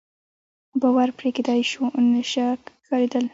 باور پرې کېدای شو، نشه ښکارېدل.